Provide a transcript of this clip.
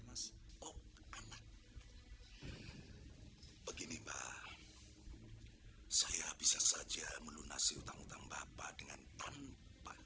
anak saya mas begini mbak saya bisa saja melunasi utang utang bapak dengan tanpa